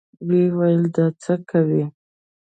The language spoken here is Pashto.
ويې ويل دا څه کوې.